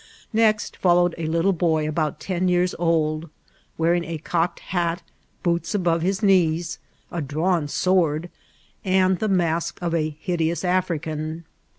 Next followed a little boy about ten years old, wearing a cocked hat, boots above his knees, a drawn sword, and the mask of a hideous African.